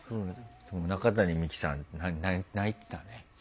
中谷美紀さん泣いてたね。